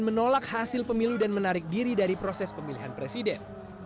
menolak hasil pemilu dan menarik diri dari proses pemilihan presiden